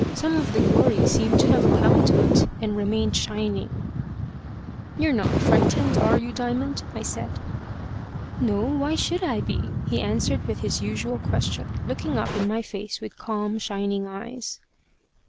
Some of the glory seemed to have clung to it, and remained shining. "You're not frightened are you, Diamond?" I said. "No. Why should I be?" he answered with his usual question, looking up in my face with calm shining eyes.